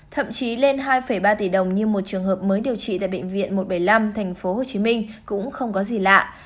thậm chí lên hai ba tỷ đồng như một trường hợp mới điều trị tại bệnh viện một trăm bảy mươi năm tp hcm cũng không có gì lạ